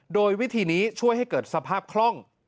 โดยวิธีนี้ช่วยให้เกิดสภาพคล่อง